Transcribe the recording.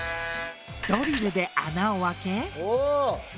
ドリルで穴を開け。